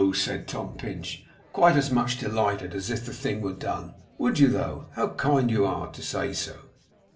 said Tom Pinch, quite as much delighted as if the thing were done. 'Would you though? How kind of you to say so.